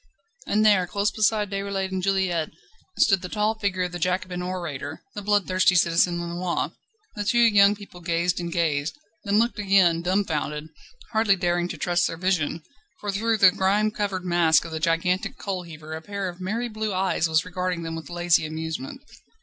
And there, close beside Déroulède and Juliette, stood the tall figure of the Jacobin orator, the bloodthirsty Citizen Lenoir. The two young people gazed and gazed, then looked again, dumfounded, hardly daring to trust their vision, for through the grime covered mask of the gigantic coal heaver a pair of merry blue eyes was regarding them with lazy amusement.